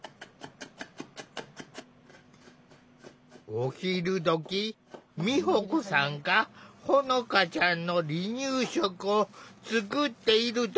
お昼どき美保子さんがほのかちゃんの離乳食を作っている時も。